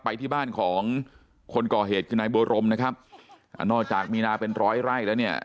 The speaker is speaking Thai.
ไปที่บ้านของคนก่อเหตุคือนายบัวรมนะครับอ่านอกจากมีนาเป็นร้อยไร่แล้วเนี่ย